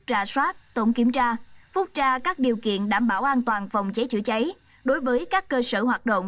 trà soát tổng kiểm tra phúc tra các điều kiện đảm bảo an toàn phòng cháy chữa cháy đối với các cơ sở hoạt động